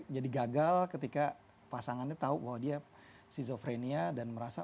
jadi gagal ketika pasangannya tahu bahwa dia schizophrenia dan merasa